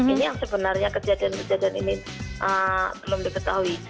ini yang sebenarnya kejadian kejadian ini belum diketahui